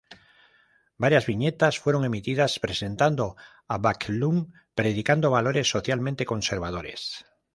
Varias viñetas fueron emitidas, presentando a Backlund predicando valores socialmente conservadores.